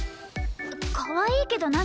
かわいいけど何？